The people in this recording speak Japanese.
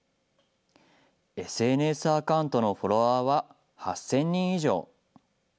ＳＮＳアカウントのフォロワーは８０００人以上。